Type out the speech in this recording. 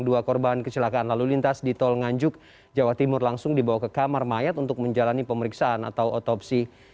dua korban kecelakaan lalu lintas di tol nganjuk jawa timur langsung dibawa ke kamar mayat untuk menjalani pemeriksaan atau otopsi